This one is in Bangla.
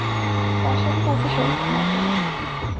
তার সাথে কাউকে শরীক না করি।